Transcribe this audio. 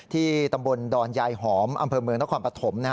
ที่ตำบลดอนยายหอมอำเภอเมืองนครปฐม